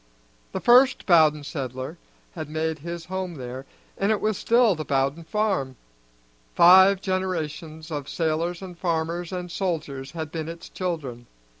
The first Bowden settler had made his home there, and it was still the Bowden farm; five generations of sailors and farmers and soldiers had been its children.